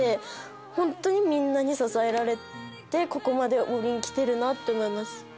本当にみんなに支えられてここまで来てるなって思います。